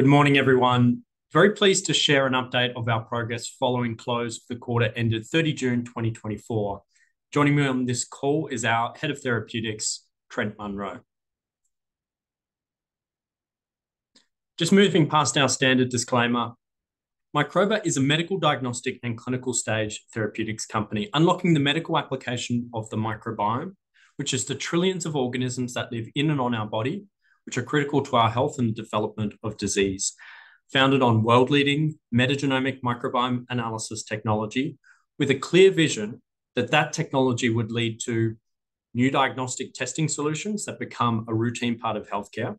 Good morning, everyone. Very pleased to share an update of our progress following close of the quarter ended 30 June 2024. Joining me on this call is our Head of Therapeutics, Trent Munro. Just moving past our standard disclaimer, Microba is a medical diagnostic and clinical stage therapeutics company, unlocking the medical application of the microbiome, which is the trillions of organisms that live in and on our body, which are critical to our health and development of disease. Founded on world-leading metagenomic microbiome analysis technology, with a clear vision that that technology would lead to new diagnostic testing solutions that become a routine part of healthcare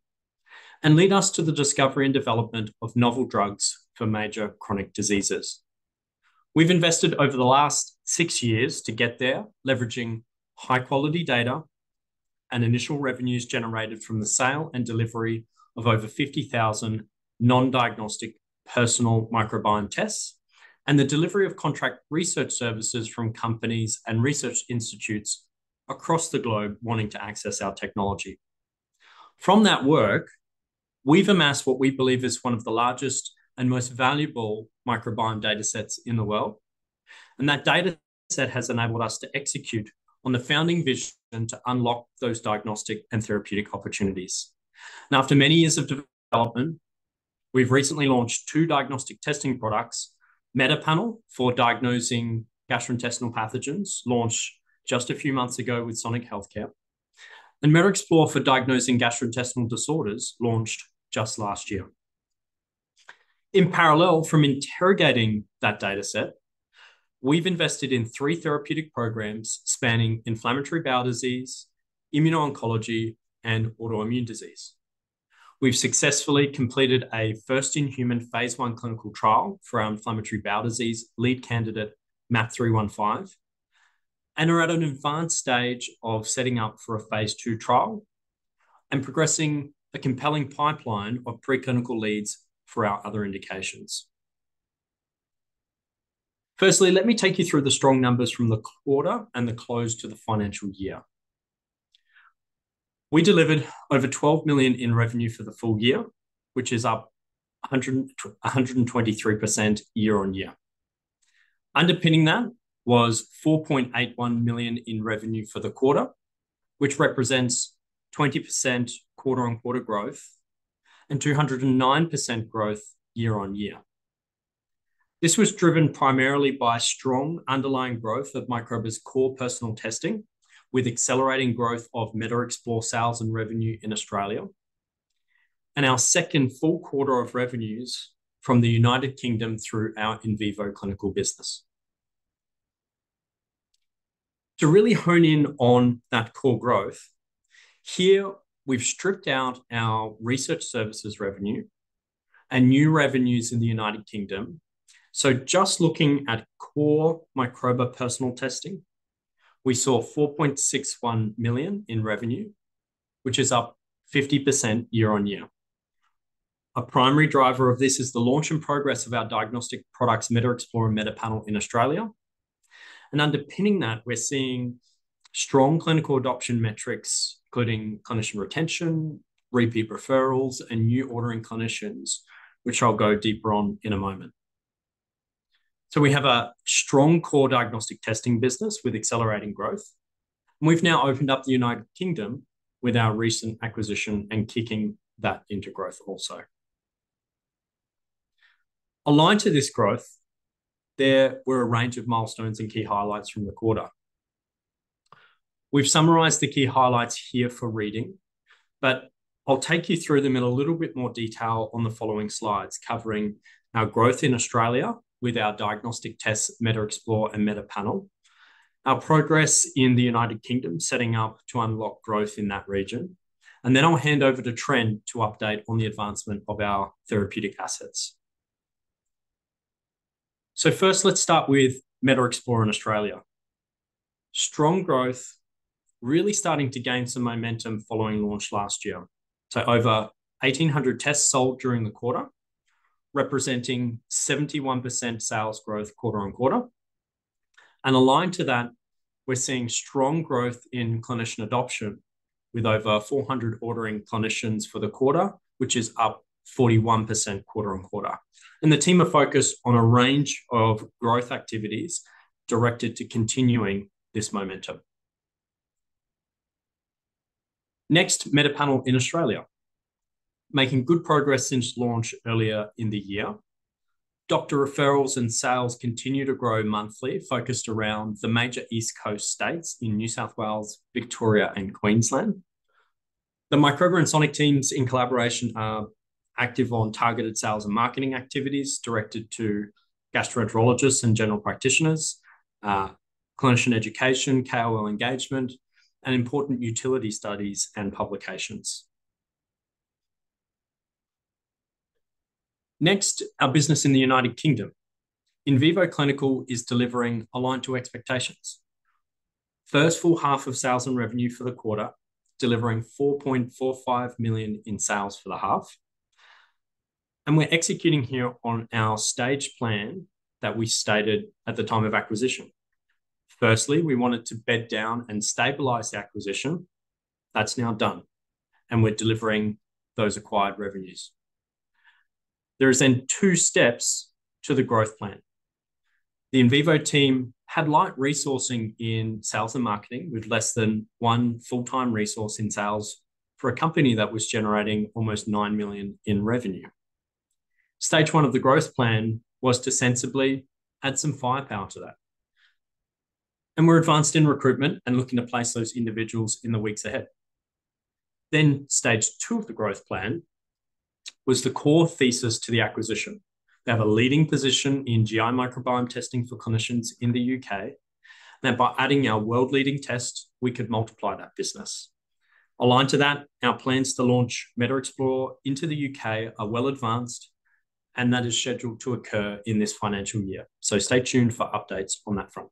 and lead us to the discovery and development of novel drugs for major chronic diseases. We've invested over the last six years to get there, leveraging high-quality data and initial revenues generated from the sale and delivery of over 50,000 non-diagnostic personal microbiome tests, and the delivery of contract research services from companies and research institutes across the globe wanting to access our technology. From that work, we've amassed what we believe is one of the largest and most valuable microbiome data sets in the world, and that data set has enabled us to execute on the founding vision to unlock those diagnostic and therapeutic opportunities. Now, after many years of development, we've recently launched two diagnostic testing products: MetaPanel for diagnosing gastrointestinal pathogens, launched just a few months ago with Sonic Healthcare, and MetaExplore for diagnosing gastrointestinal disorders, launched just last year. In parallel from interrogating that data set, we've invested in three therapeutic programs spanning inflammatory bowel disease, immuno-oncology, and autoimmune disease. We've successfully completed a first-in-human Phase 1 clinical trial for our inflammatory bowel disease lead candidate, MAP315, and are at an advanced stage of setting up for a Phase 2 trial and progressing a compelling pipeline of preclinical leads for our other indications. Firstly, let me take you through the strong numbers from the quarter and the close to the financial year. We delivered over 12 million in revenue for the full year, which is up 123% year-on-year. Underpinning that was 4.81 million in revenue for the quarter, which represents 20% quarter-on-quarter growth and 209% growth year-on-year. This was driven primarily by strong underlying growth of Microba's core personal testing, with accelerating growth of MetaExplore sales and revenue in Australia, and our second full quarter of revenues from the United Kingdom through our Invivo Clinical business. To really hone in on that core growth, here, we've stripped out our research services revenue and new revenues in the United Kingdom. So just looking at core Microba personal testing, we saw 4.61 million in revenue, which is up 50% year-on-year. A primary driver of this is the launch and progress of our diagnostic products, MetaExplore and MetaPanel in Australia. Underpinning that, we're seeing strong clinical adoption metrics, including clinician retention, repeat referrals and new ordering clinicians, which I'll go deeper on in a moment. So we have a strong core diagnostic testing business with accelerating growth, and we've now opened up the United Kingdom with our recent acquisition and kicking that into growth also. Aligned to this growth, there were a range of milestones and key highlights from the quarter. We've summarized the key highlights here for reading, but I'll take you through them in a little bit more detail on the following slides, covering our growth in Australia with our diagnostic tests, MetaExplore and MetaPanel. Our progress in the United Kingdom, setting up to unlock growth in that region. Then I'll hand over to Trent to update on the advancement of our therapeutic assets. So first, let's start with MetaExplore in Australia. Strong growth, really starting to gain some momentum following launch last year. So over 1,800 tests sold during the quarter, representing 71% sales growth quarter on quarter. Aligned to that, we're seeing strong growth in clinician adoption, with over 400 ordering clinicians for the quarter, which is up 41% quarter-over-quarter. The team are focused on a range of growth activities directed to continuing this momentum. Next, MetaPanel in Australia. Making good progress since launch earlier in the year. Doctor referrals and sales continue to grow monthly, focused around the major East Coast states in New South Wales, Victoria and Queensland. The Microba and Sonic teams in collaboration are active on targeted sales and marketing activities directed to gastroenterologists and general practitioners, clinician education, KOL engagement, and important utility studies and publications. Next, our business in the United Kingdom. Invivo Clinical is delivering aligned to expectations. First full half of sales and revenue for the quarter, delivering 4.45 million in sales for the half, and we're executing here on our stage plan that we stated at the time of acquisition. Firstly, we wanted to bed down and stabilize the acquisition. That's now done, and we're delivering those acquired revenues. There is then two steps to the growth plan. The Invivo team had light resourcing in sales and marketing, with less than one full-time resource in sales for a company that was generating almost 9 million in revenue. Stage one of the growth plan was to sensibly add some firepower to that, and we're advanced in recruitment and looking to place those individuals in the weeks ahead. Then, stage two of the growth plan was the core thesis to the acquisition. They have a leading position in GI microbiome testing for clinicians in the U.K., and by adding our world-leading tests, we could multiply that business. Aligned to that, our plans to launch MetaExplore into the U.K. are well advanced, and that is scheduled to occur in this financial year. Stay tuned for updates on that front.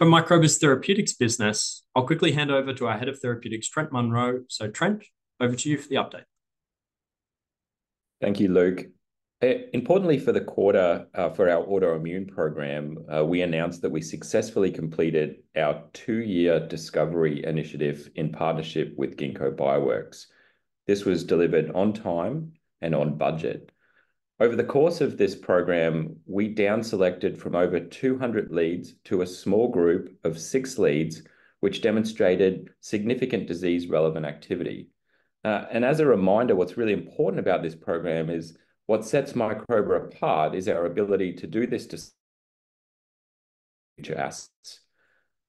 For Microba's therapeutics business, I'll quickly hand over to our head of therapeutics, Trent Munro. Trent, over to you for the update. Thank you, Luke. Importantly for the quarter, for our autoimmune program, we announced that we successfully completed our two-year discovery initiative in partnership with Ginkgo Bioworks. This was delivered on time and on budget. Over the course of this program, we down-selected from over 200 leads to a small group of six leads, which demonstrated significant disease-relevant activity. And as a reminder, what's really important about this program is what sets Microba apart is our ability to do this discovery to assets.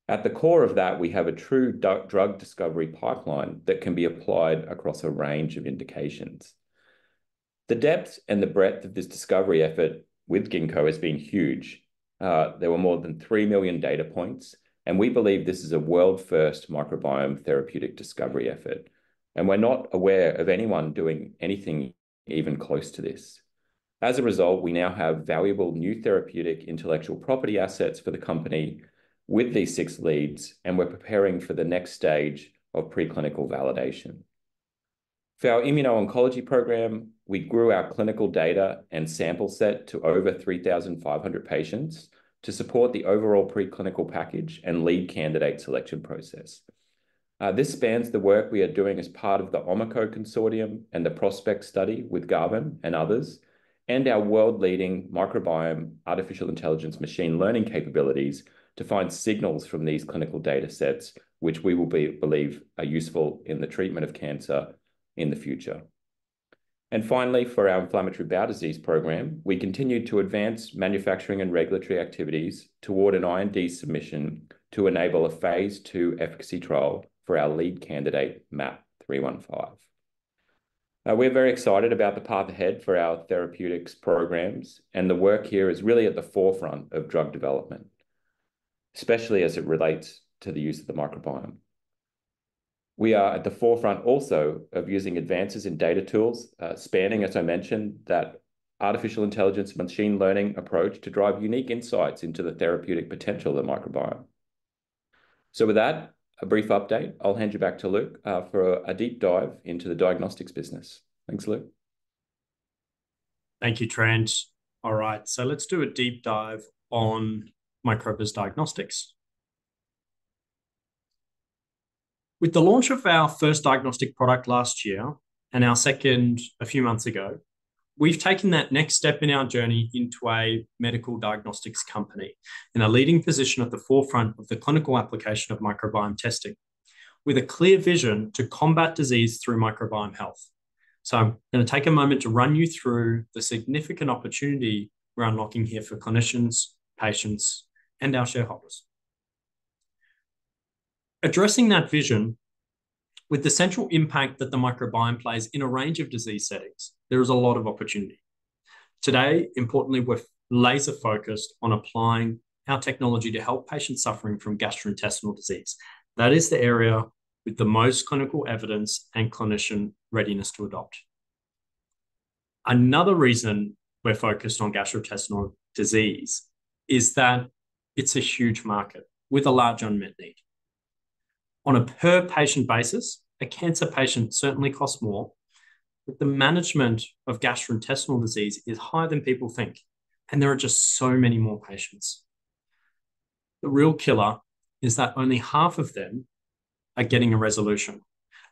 At the core of that, we have a true drug discovery pipeline that can be applied across a range of indications. The depth and the breadth of this discovery effort with Ginkgo has been huge. There were more than 3 million data points, and we believe this is a world-first microbiome therapeutic discovery effort, and we're not aware of anyone doing anything even close to this. As a result, we now have valuable new therapeutic intellectual property assets for the company with these six leads, and we're preparing for the next stage of preclinical validation. For our immuno-oncology program, we grew our clinical data and sample set to over 3,500 patients to support the overall preclinical package and lead candidate selection process. This spans the work we are doing as part of the Omico Consortium and the PrOSPeCT study with Garvan and others, and our world-leading microbiome artificial intelligence machine learning capabilities to find signals from these clinical data sets, which we believe are useful in the treatment of cancer in the future. And finally, for our inflammatory bowel disease program, we continued to advance manufacturing and regulatory activities toward an IND submission to enable a Phase 2 efficacy trial for our lead candidate, MAP315. We're very excited about the path ahead for our therapeutics programs, and the work here is really at the forefront of drug development, especially as it relates to the use of the microbiome. We are at the forefront also of using advances in data tools, spanning, as I mentioned, that artificial intelligence machine learning approach to drive unique insights into the therapeutic potential of the microbiome. So with that, a brief update. I'll hand you back to Luke, for a deep dive into the diagnostics business. Thanks, Luke. Thank you, Trent. All right, so let's do a deep dive on Microba's diagnostics. With the launch of our first diagnostic product last year, and our second a few months ago, we've taken that next step in our journey into a medical diagnostics company, in a leading position at the forefront of the clinical application of microbiome testing, with a clear vision to combat disease through microbiome health. So I'm gonna take a moment to run you through the significant opportunity we're unlocking here for clinicians, patients, and our shareholders. Addressing that vision, with the central impact that the microbiome plays in a range of disease settings, there is a lot of opportunity. Today, importantly, we're laser-focused on applying our technology to help patients suffering from gastrointestinal disease. That is the area with the most clinical evidence and clinician readiness to adopt. Another reason we're focused on gastrointestinal disease is that it's a huge market with a large unmet need. On a per-patient basis, a cancer patient certainly costs more, but the management of gastrointestinal disease is higher than people think, and there are just so many more patients. The real killer is that only half of them are getting a resolution,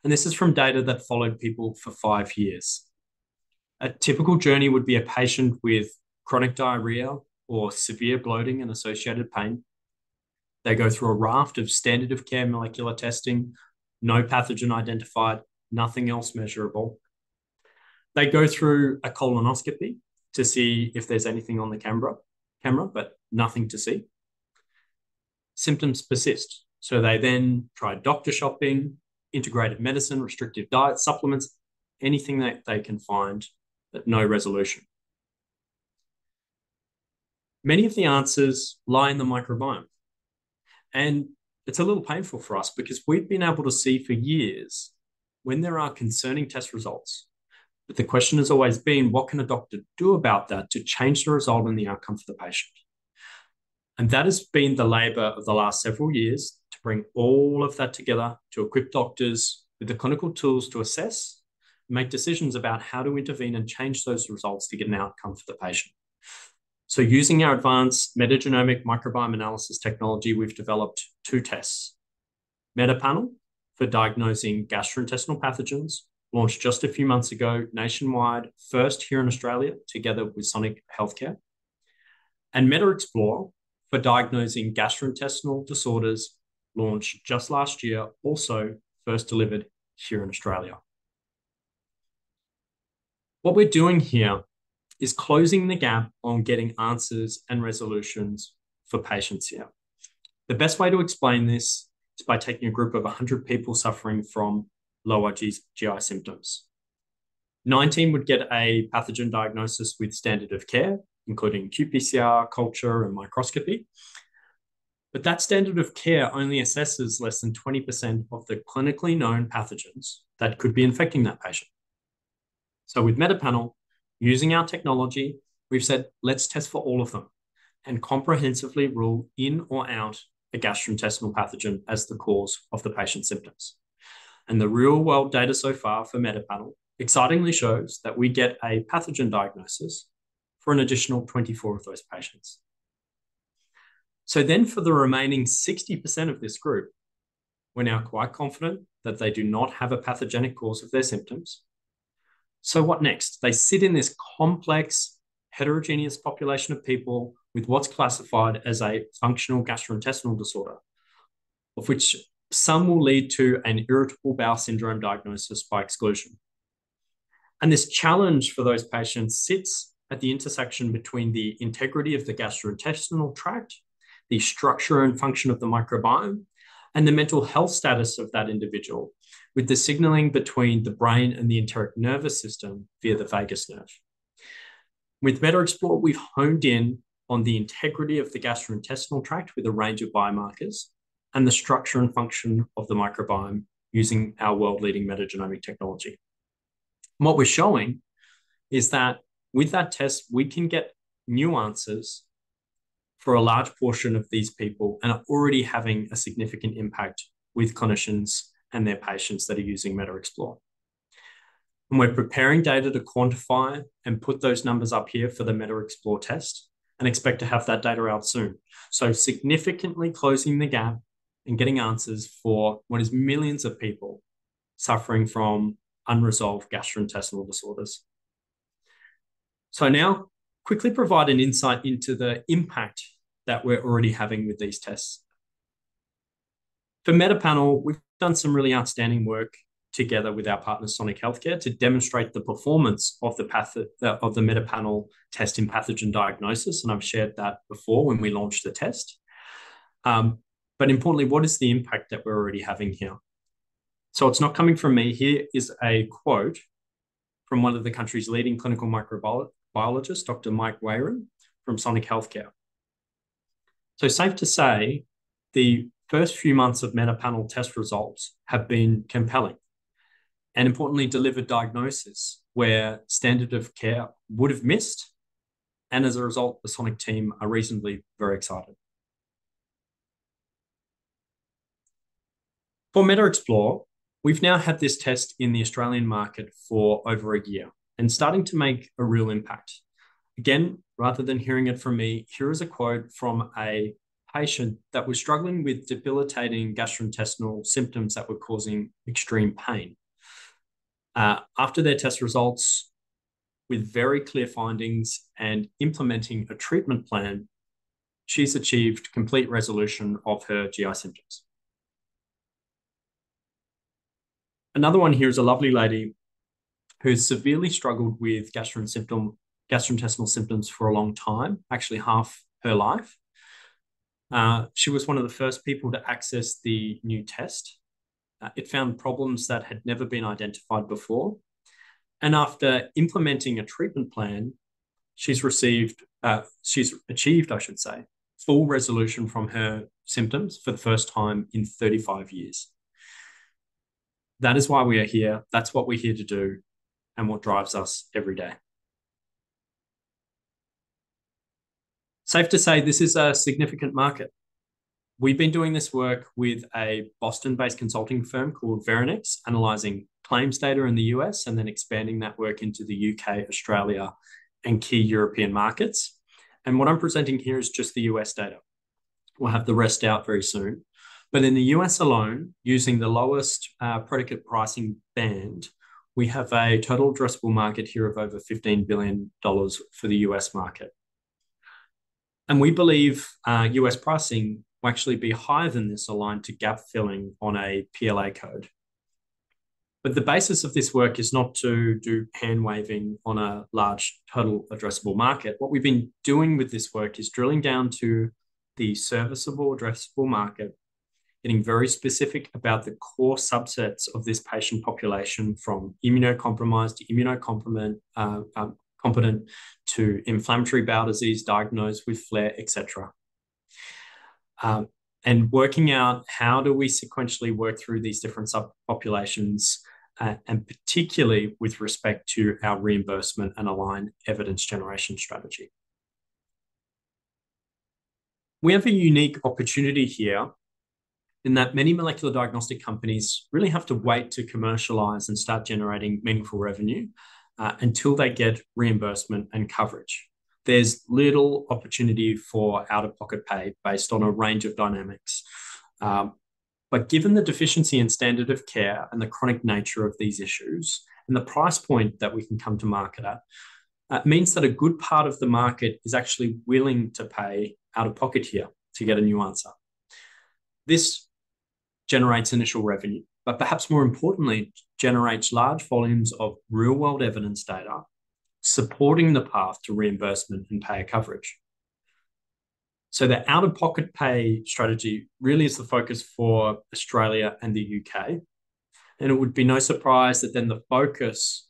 and this is from data that followed people for five years. A typical journey would be a patient with chronic diarrhea or severe bloating and associated pain. They go through a raft of standard of care molecular testing, no pathogen identified, nothing else measurable. They go through a colonoscopy to see if there's anything on the camera, but nothing to see. Symptoms persist, so they then try doctor shopping, integrated medicine, restrictive diet, supplements, anything that they can find, but no resolution. Many of the answers lie in the microbiome, and it's a little painful for us because we've been able to see for years when there are concerning test results. But the question has always been: what can a doctor do about that to change the result and the outcome for the patient?... and that has been the labor of the last several years, to bring all of that together, to equip doctors with the clinical tools to assess, make decisions about how to intervene, and change those results to get an outcome for the patient. So using our advanced metagenomic microbiome analysis technology, we've developed two tests: MetaPanel, for diagnosing gastrointestinal pathogens, launched just a few months ago nationwide, first here in Australia, together with Sonic Healthcare, and MetaExplore, for diagnosing gastrointestinal disorders, launched just last year, also first delivered here in Australia. What we're doing here is closing the gap on getting answers and resolutions for patients here. The best way to explain this is by taking a group of 100 people suffering from lower GI symptoms. 19 would get a pathogen diagnosis with standard of care, including qPCR, culture, and microscopy. But that standard of care only assesses less than 20% of the clinically known pathogens that could be infecting that patient. So with MetaPanel, using our technology, we've said, "Let's test for all of them, and comprehensively rule in or out a gastrointestinal pathogen as the cause of the patient's symptoms." The real-world data so far for MetaPanel excitingly shows that we get a pathogen diagnosis for an additional 24 of those patients. For the remaining 60% of this group, we're now quite confident that they do not have a pathogenic cause of their symptoms. What next? They sit in this complex, heterogeneous population of people with what's classified as a functional gastrointestinal disorder, of which some will lead to an irritable bowel syndrome diagnosis by exclusion. This challenge for those patients sits at the intersection between the integrity of the gastrointestinal tract, the structure and function of the microbiome, and the mental health status of that individual, with the signaling between the brain and the enteric nervous system via the vagus nerve. With MetaExplore, we've honed in on the integrity of the gastrointestinal tract with a range of biomarkers, and the structure and function of the microbiome using our world-leading metagenomic technology. What we're showing is that with that test, we can get new answers for a large portion of these people, and are already having a significant impact with clinicians and their patients that are using MetaExplore. We're preparing data to quantify and put those numbers up here for the MetaExplore test, and expect to have that data out soon. Significantly closing the gap and getting answers for what is millions of people suffering from unresolved gastrointestinal disorders. Now, quickly provide an insight into the impact that we're already having with these tests. For MetaPanel, we've done some really outstanding work together with our partner, Sonic Healthcare, to demonstrate the performance of the MetaPanel test in pathogen diagnosis, and I've shared that before when we launched the test. But importantly, what is the impact that we're already having here? So it's not coming from me. Here is a quote from one of the country's leading clinical microbiologists, Dr. Mike Wehrhahn, from Sonic Healthcare. "So safe to say, the first few months of MetaPanel test results have been compelling, and importantly, delivered diagnosis where standard of care would've missed, and as a result, the Sonic team are reasonably very excited." For MetaExplore, we've now had this test in the Australian market for over a year, and starting to make a real impact. Again, rather than hearing it from me, here is a quote from a patient that was struggling with debilitating gastrointestinal symptoms that were causing extreme pain. After their test results, with very clear findings and implementing a treatment plan, she's achieved complete resolution of her GI symptoms. Another one here is a lovely lady who's severely struggled with gastrointestinal symptoms for a long time, actually, half her life. She was one of the first people to access the new test. It found problems that had never been identified before, and after implementing a treatment plan, she's received, she's achieved, I should say, full resolution from her symptoms for the first time in 35 years. That is why we are here. That's what we're here to do and what drives us every day. Safe to say, this is a significant market. We've been doing this work with a Boston-based consulting firm called Veranex, analyzing claims data in the U.S., and then expanding that work into the U.K., Australia, and key European markets, and what I'm presenting here is just the U.S. data. We'll have the rest out very soon. But in the U.S. alone, using the lowest, predicate pricing band, we have a total addressable market here of over $15 billion for the U.S. market. We believe, U.S. pricing will actually be higher than this, aligned to gap filling on a PLA code. But the basis of this work is not to do hand-waving on a large total addressable market. What we've been doing with this work is drilling down to the serviceable addressable market, getting very specific about the core subsets of this patient population, from immunocompromised to immunocompetent, to inflammatory bowel disease, diagnosed with flare, et cetera, and working out how do we sequentially work through these different subpopulations, and particularly with respect to our reimbursement and align evidence generation strategy. We have a unique opportunity here in that many molecular diagnostic companies really have to wait to commercialize and start generating meaningful revenue, until they get reimbursement and coverage. There's little opportunity for out-of-pocket pay based on a range of dynamics. But given the deficiency in standard of care and the chronic nature of these issues, and the price point that we can come to market at, means that a good part of the market is actually willing to pay out of pocket here to get a new answer. This generates initial revenue, but perhaps more importantly, generates large volumes of real-world evidence data, supporting the path to reimbursement and payer coverage. So the out-of-pocket pay strategy really is the focus for Australia and the U.K., and it would be no surprise that then the focus,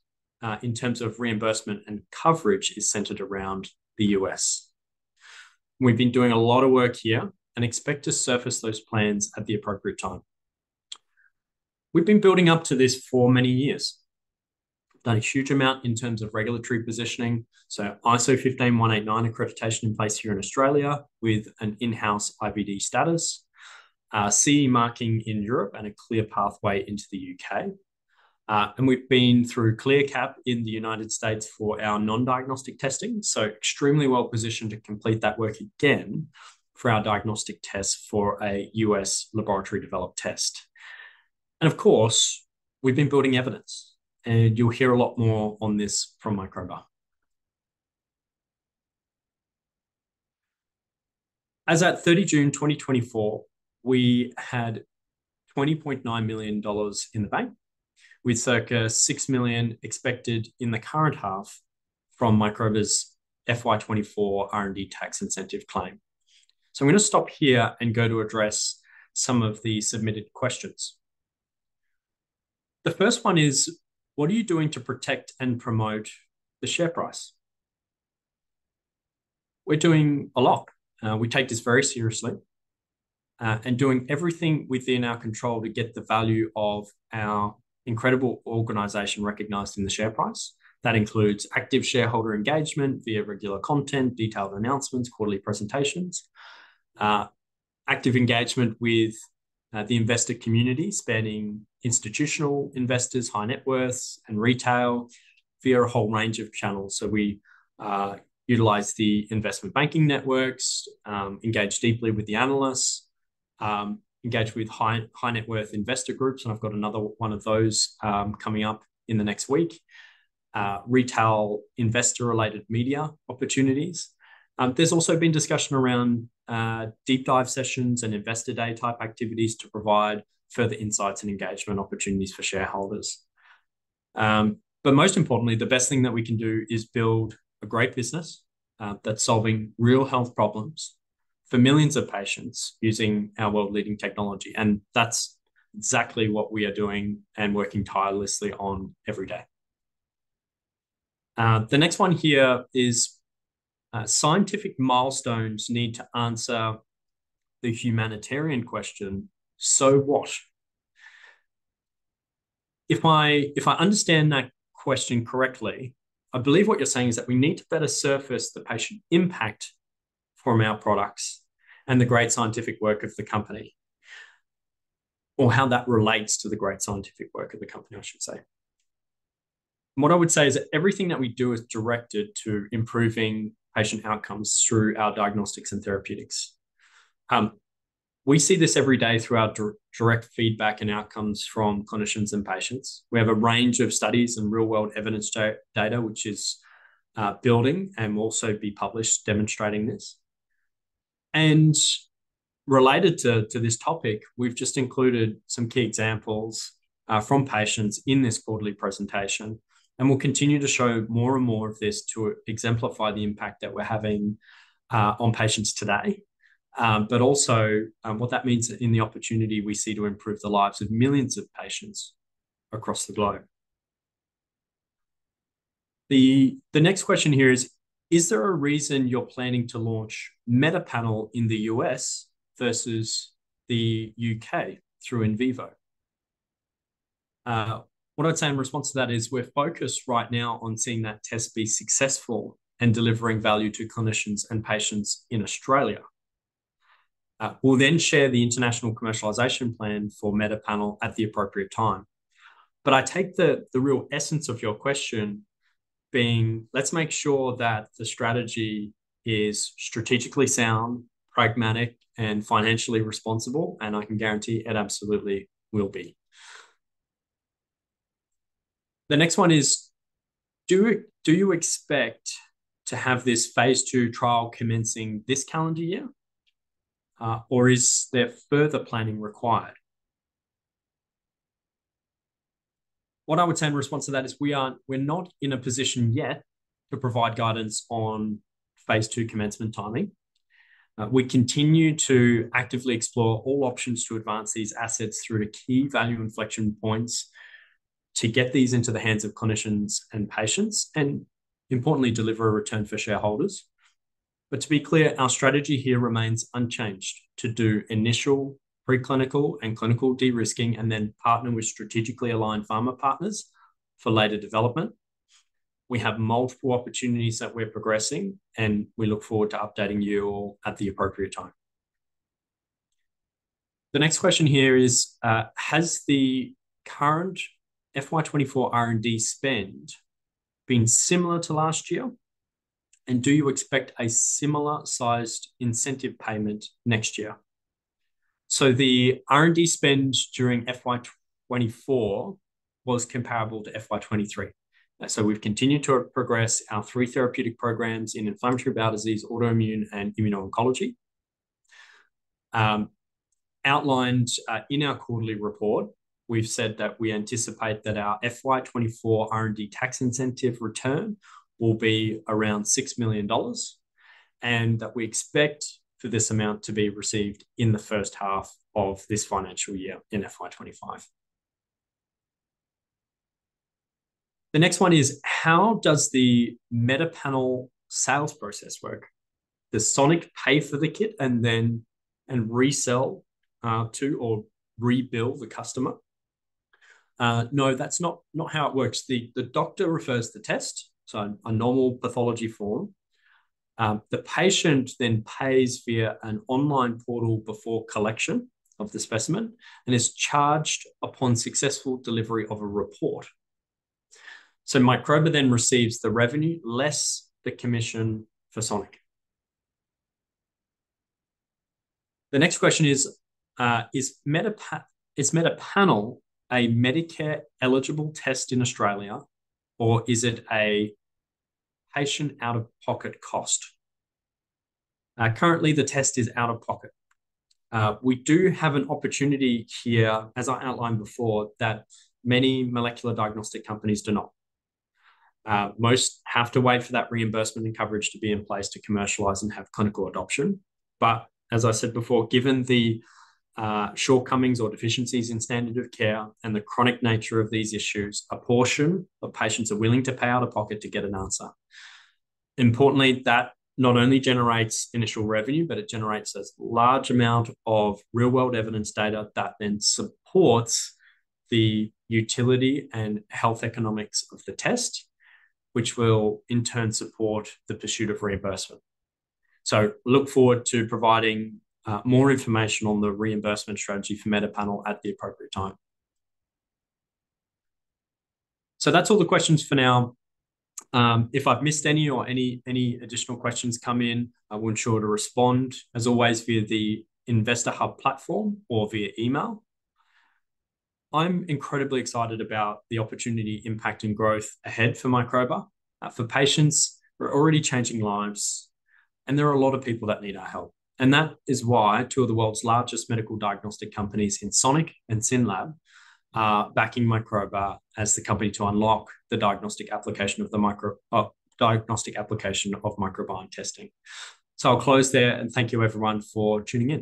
in terms of reimbursement and coverage is centered around the U.S. We've been doing a lot of work here and expect to surface those plans at the appropriate time. We've been building up to this for many years. Done a huge amount in terms of regulatory positioning, so ISO 15189 accreditation in place here in Australia with an in-house IVD status, CE marking in Europe and a clear pathway into the U.K. And we've been through CLIA/CAP in the United States for our non-diagnostic testing, so extremely well-positioned to complete that work again for our diagnostic test for a U.S. laboratory-developed test. And of course, we've been building evidence, and you'll hear a lot more on this from Microba. As at 30 June 2024, we had 20.9 million dollars in the bank, with circa 6 million expected in the current half from Microba's FY 2024 R&D tax incentive claim. So I'm gonna stop here and go to address some of the submitted questions. The first one is: What are you doing to protect and promote the share price? We're doing a lot. We take this very seriously, and doing everything within our control to get the value of our incredible organization recognized in the share price. That includes active shareholder engagement via regular content, detailed announcements, quarterly presentations, active engagement with the investor community, spanning institutional investors, high net worths, and retail via a whole range of channels. So we utilize the investment banking networks, engage deeply with the analysts, engage with high, high net worth investor groups, and I've got another one of those, coming up in the next week. Retail investor-related media opportunities. There's also been discussion around deep dive sessions and investor day type activities to provide further insights and engagement opportunities for shareholders. But most importantly, the best thing that we can do is build a great business, that's solving real health problems for millions of patients using our world-leading technology, and that's exactly what we are doing and working tirelessly on every day. The next one here is: Scientific milestones need to answer the humanitarian question, so what? If I understand that question correctly, I believe what you're saying is that we need to better surface the patient impact from our products and the great scientific work of the company, or how that relates to the great scientific work of the company, I should say. What I would say is that everything that we do is directed to improving patient outcomes through our diagnostics and therapeutics. We see this every day through our direct feedback and outcomes from clinicians and patients. We have a range of studies and real-world evidence data, which is building and will also be published demonstrating this. And related to this topic, we've just included some key examples from patients in this quarterly presentation, and we'll continue to show more and more of this to exemplify the impact that we're having on patients today. But also, what that means in the opportunity we see to improve the lives of millions of patients across the globe. The next question here is: Is there a reason you're planning to launch MetaPanel in the U.S. versus the U.K. through Invivo? What I'd say in response to that is we're focused right now on seeing that test be successful in delivering value to clinicians and patients in Australia. We'll then share the international commercialization plan for MetaPanel at the appropriate time. But I take the real essence of your question being, let's make sure that the strategy is strategically sound, pragmatic, and financially responsible, and I can guarantee it absolutely will be. The next one is: Do you expect to have this Phase II trial commencing this calendar year, or is there further planning required? What I would say in response to that is we aren't- we're not in a position yet to provide guidance on Phase II commencement timing. We continue to actively explore all options to advance these assets through to key value inflection points.... to get these into the hands of clinicians and patients, and importantly, deliver a return for shareholders. But to be clear, our strategy here remains unchanged: to do initial pre-clinical and clinical de-risking, and then partner with strategically aligned pharma partners for later development. We have multiple opportunities that we're progressing, and we look forward to updating you all at the appropriate time. The next question here is, "Has the current FY 2024 R&D spend been similar to last year, and do you expect a similar-sized incentive payment next year?" So the R&D spend during FY 2024 was comparable to FY 2023. So we've continued to progress our three therapeutic programs in inflammatory bowel disease, autoimmune, and immuno-oncology. Outlined in our quarterly report, we've said that we anticipate that our FY 2024 R&D tax incentive return will be around 6 million dollars, and that we expect for this amount to be received in the first half of this financial year, in FY 2025. The next one is: "How does the MetaPanel sales process work? Does Sonic pay for the kit, and then... And resell to or bill the customer?" No, that's not how it works. The doctor refers the test, so a normal pathology form. The patient then pays via an online portal before collection of the specimen and is charged upon successful delivery of a report. So Microba then receives the revenue, less the commission for Sonic. The next question is, "Is MetaPanel a Medicare-eligible test in Australia, or is it a patient out-of-pocket cost?" Currently, the test is out of pocket. We do have an opportunity here, as I outlined before, that many molecular diagnostic companies do not. Most have to wait for that reimbursement and coverage to be in place to commercialize and have clinical adoption. But as I said before, given the shortcomings or deficiencies in standard of care and the chronic nature of these issues, a portion of patients are willing to pay out of pocket to get an answer. Importantly, that not only generates initial revenue, but it generates a large amount of real-world evidence data that then supports the utility and health economics of the test, which will, in turn, support the pursuit of reimbursement. Look forward to providing more information on the reimbursement strategy for MetaPanel at the appropriate time. That's all the questions for now. If I've missed any or any additional questions come in, I will ensure to respond, as always, via the Investor Hub platform or via email. I'm incredibly excited about the opportunity, impact, and growth ahead for Microba. For patients, we're already changing lives, and there are a lot of people that need our help. That is why two of the world's largest medical diagnostic companies in Sonic and SYNLAB are backing Microba as the company to unlock the diagnostic application of microbiome testing. I'll close there, and thank you everyone for tuning in.